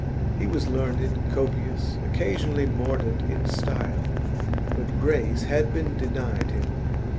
He was learned, copious, occasionally mordant in style; but grace had been denied to him.